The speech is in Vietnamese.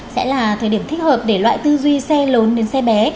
sẽ là thời điểm thích hợp để loại tư duy xe lớn đến xe bé